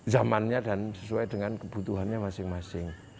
zamannya dan sesuai dengan kebutuhannya masing masing